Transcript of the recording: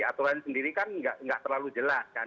aturan sendiri kan nggak terlalu jelas kan